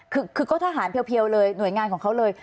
คือก็ทหารเพียวเลยหน่วยงานของเขาเลย